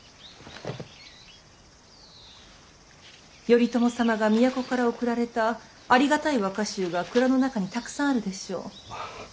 頼朝様が都から贈られたありがたい和歌集が蔵の中にたくさんあるでしょう。